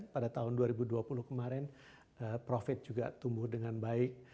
pada tahun dua ribu dua puluh kemarin profit juga tumbuh dengan baik